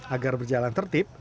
agar berjalan tertib